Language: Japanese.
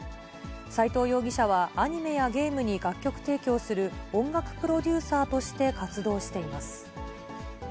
斎藤容疑者は、アニメやゲームに楽曲提供する音楽プロデューサーとして活動しています。